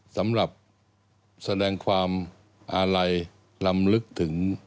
สำหรับแสดงความอาลัยลำลึกถึง